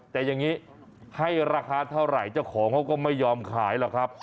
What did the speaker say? แต่อย่างนี้ให้ราคาเท่าไหร่เจ้าของเขาก็ไม่ยอมขายหรอกครับ